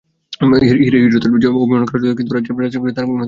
হীরে-জহরতের অভিমান করাও চলত, কিন্তু রাজার ঘরে তার কোনো অর্থই নেই।